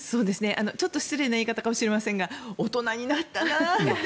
ちょっと失礼な言い方かもしれませんが大人になったなって。